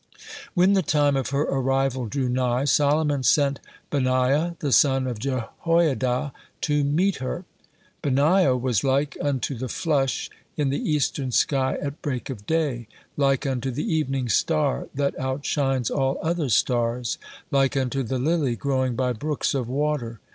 When the time of her arrival drew nigh, Solomon sent Benaiah the son of Jehoiada to meet her. Benaiah was like unto the flush in the eastern sky at break of day, like unto the evening star that outshines all other stars, like unto the lily growing by brooks of water.